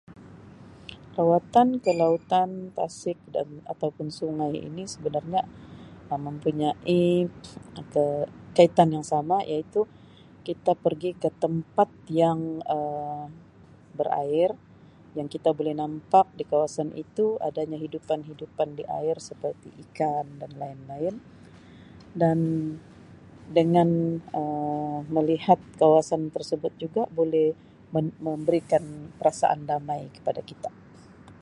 Lawatan ke lautan, tasik, dan atau pun sungai ini sebenarnya Um mempunyai [unintelligible] kaitan yang sama iaitu kita pergi ke tempat yang Um berair dan kita boleh nampak di kawasan itu adanya hidupan-hidupan di air seperti ikan dan lain-lain dan dengan Um melihat kawasan tersebut juga boleh mem-memberikan perasaan damai kepada kita.